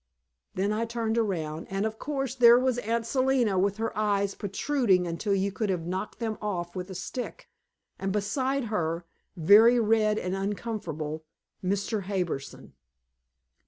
Then I turned around, and, of course, there was Aunt Selina with her eyes protruding until you could have knocked them off with a stick, and beside her, very red and uncomfortable, Mr. Harbison!